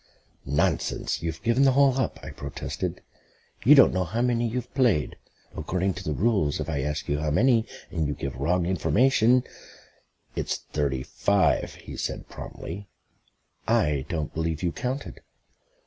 "Nonsense; you've given the hole up," I protested. "You don't know how many you've played. According to the rules, if I ask you how many, and you give wrong information " "It's thirty five," he said promptly. "I don't believe you counted."